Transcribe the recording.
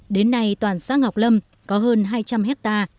đến nay toàn xã ngọc lâm có hơn hai trăm linh hectare